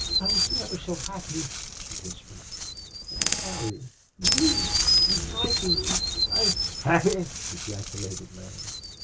"I I was never so happy," she whispered. "But Larry you you frighten me.... I " "Happy!" ejaculated Larry.